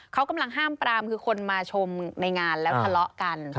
เขากำลังห้ามปรามคือคนมาชมในงานแล้วทะเลาะกัน